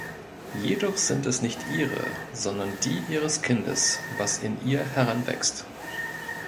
Jedoch sind es nicht ihre, sondern die ihres Kindes, was in ihr heranwächst.